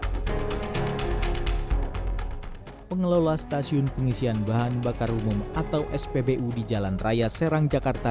hai pengelola stasiun pengisian bahan bakar umum atau spbu di jalan raya serang jakarta